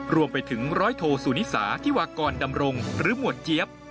รวมไปถึงร้อยโทสุนิสาธิวากรดำรงหรือหมวดเจี๊ยบ